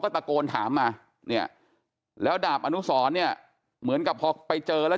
ตะโกนถามมาเนี่ยแล้วดาบอนุสรเนี่ยเหมือนกับพอไปเจอแล้ว